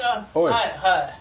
はいはい？